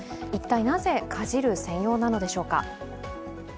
一体なぜ、かじる専用なのでしょうか。